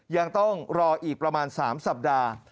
ยังต้องรออีกประมาณ๓สัปดาห์